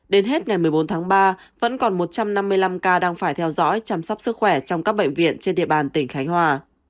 đến hết ngày một mươi bốn tháng ba vẫn còn một trăm năm mươi năm ca đang phải theo dõi chăm sóc sức khỏe trong các bệnh viện trên địa bàn tỉnh khánh hòa